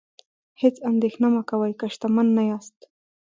هیڅ اندیښنه مه کوئ که شتمن نه یاست.